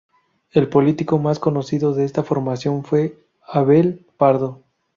El político más conocido de esta formación fue Abel Pardo.